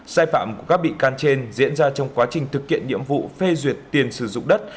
sai phạm của các bị can trên diễn ra trong quá trình thực hiện nhiệm vụ phê duyệt tiền sử dụng đất